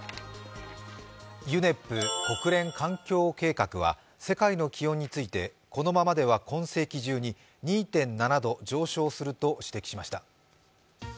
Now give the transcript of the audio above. ＵＮＥＰ＝国際環境計画は世界の気温についてこのままでは今世紀中に２．７度上昇すると指摘しました。